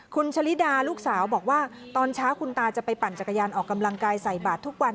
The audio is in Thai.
คุณชะลิดาลูกสาวบอกว่าตอนเช้าคุณตาจะไปปั่นจักรยานออกกำลังกายใส่บาททุกวัน